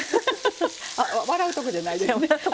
あ笑うところじゃないですね。